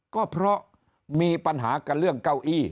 ก็เพราะมีปัญหากันเรื่องเก้าอี้